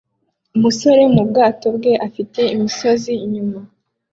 Umusare mu bwato bwe afite imisozi inyuma